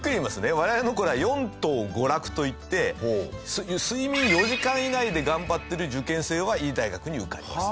我々の頃は四当五落といって睡眠４時間以内で頑張ってる受験生はいい大学に受かります。